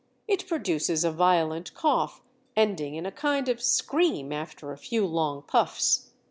"It produces a violent cough ending in a kind of scream after a few long puffs."